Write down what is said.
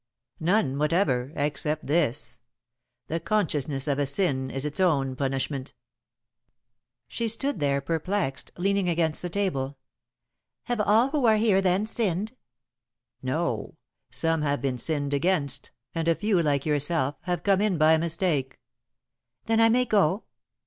"None whatever, except this. The consciousness of a sin is its own punishment." [Sidenote: Some One Gift] She stood there perplexed, leaning against the table. "Have all who are here, then, sinned?" "No, some have been sinned against, and a few, like yourself, have come in by mistake." "Then I may go?"